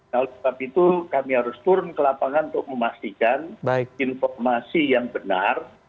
lalu setelah itu kami harus turun ke lapangan untuk memastikan informasi yang benar